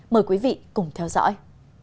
mời quý vị cùng theo dõi